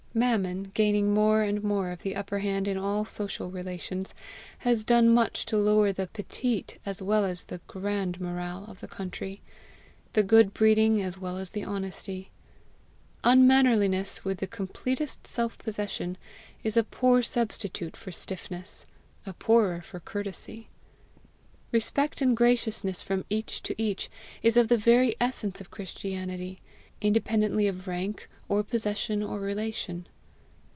Mammon, gaining more and more of the upper hand in all social relations, has done much to lower the PETITE as well as the GRANDE MORALE of the country the good breeding as well as the honesty. Unmannerliness with the completest self possession, is a poor substitute for stiffness, a poorer for courtesy. Respect and graciousness from each to each is of the very essence of Christianity, independently of rank, or possession, or relation.